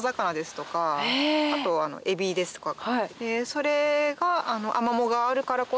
それが。